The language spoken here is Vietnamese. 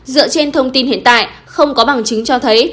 dựa trên thông tin hiện tại không có bằng chứng cho thấy